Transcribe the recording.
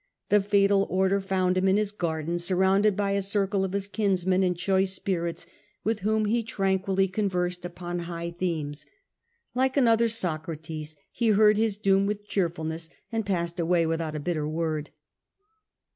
The fatal order found him in his garden, surrounded by a circle of his kinsmen and choice spirits, with whom he tranquilly conversed upon high themes. Like another Socrates he heard his doom with cheerfulness, and passed away without a bitter word.